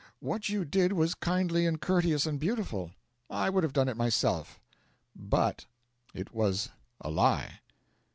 What you did was kindly and courteous and beautiful; I would have done it myself; but it was a lie.'